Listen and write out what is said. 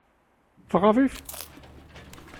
Tɣaḍ-itt?